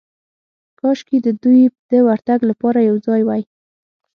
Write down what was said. کاشکې د دوی د ورتګ لپاره یو ځای وای.